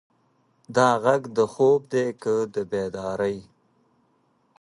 دا غږ د خوب دی که د بیدارۍ؟